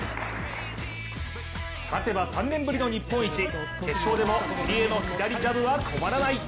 勝てば３年ぶりの日本一、決勝でも入江の左ジャブは止まらない。